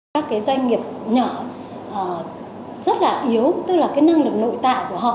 các doanh nghiệp nhỏ rất là yếu tức là năng lực nội tại của họ